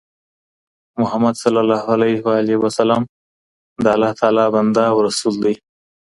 محمد صلی الله عليه وسلم د الله تعالی بنده او رسول ده